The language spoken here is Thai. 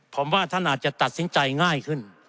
ผมว่าท่านอาจจะตัดสินใจง่ายขึ้น